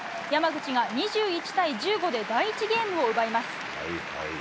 山口が２１対１５で第１ゲームを奪います。